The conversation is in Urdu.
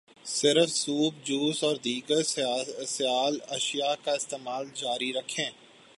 صرف سوپ، جوس، اور دیگر سیال اشیاء کا استعمال جاری رکھیں۔